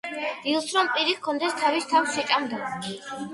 ილს რომ პირი ჰქონდეს, თავის თავს შეჭამდაო